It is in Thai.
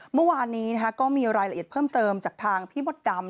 เมื่อวานนี้ก็มีรายละเอียดเพิ่มเติมจากทางพี่มดดำ